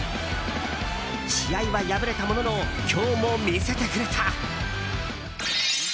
試合は敗れたものの今日も見せてくれた。